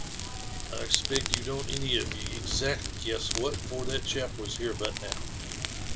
I expect you don't any of ye exactly guess what for that chap was . here but now?